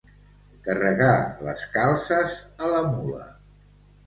Carregar les calces a la mula.